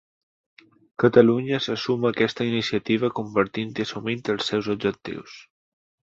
Catalunya se suma a aquesta iniciativa compartint i assumint els seus objectius.